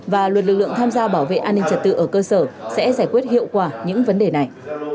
và luật lực lượng tham gia bảo vệ an ninh trật tự ở cơ sở sẽ giải quyết hiệu quả những vấn đề này